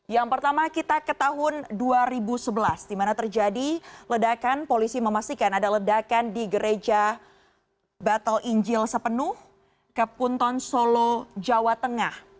yang pertama kita ke tahun dua ribu sebelas di mana terjadi ledakan polisi memastikan ada ledakan di gereja battle injil sepenuh ke punton solo jawa tengah